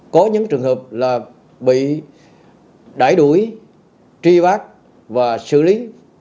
có những trường hợp là bị đải đuổi tri bác và xử lý